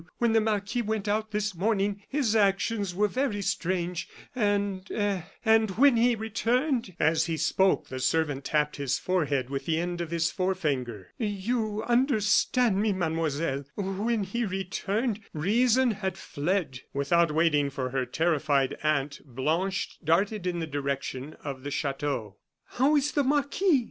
When the marquis went out this morning his actions were very strange, and and when he returned " As he spoke the servant tapped his forehead with the end of his forefinger. "You understand me, Mademoiselle when he returned, reason had fled!" Without waiting for her terrified aunt, Blanche darted in the direction of the chateau. "How is the marquis?"